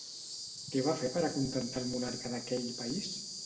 Què va fer per acontentar al monarca d'aquell país?